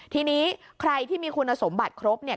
ทีนี้ใครที่มีคุณสมบัติครบเนี่ย